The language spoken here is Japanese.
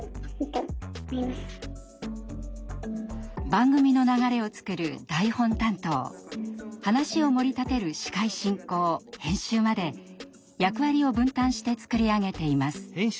番組の流れを作る台本担当話をもり立てる司会進行編集まで役割を分担して作り上げています。